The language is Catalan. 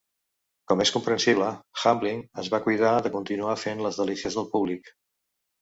Com és comprensible, Hamblin es va cuidar de continuar fent les delícies del públic.